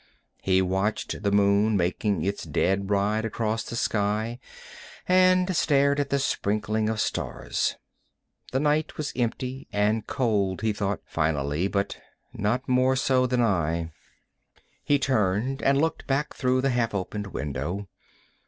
He watched the moon making its dead ride across the sky, and stared at the sprinkling of stars. The night was empty and cold, he thought, finally. But not more so than I. He turned and looked back through the half opened window.